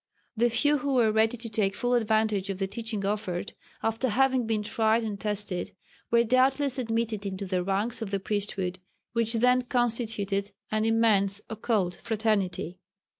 The few who were ready to take full advantage of the teaching offered, after having been tried and tested, were doubtless admitted into the ranks of the priesthood which then constituted an immense occult fraternity.